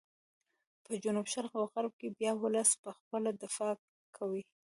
په جنوب شرق او غرب کې بیا ولس په خپله دفاع کوي.